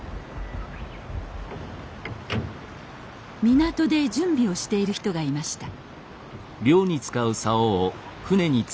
港で準備をしている人がいました。